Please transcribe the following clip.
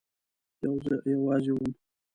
یوازی وم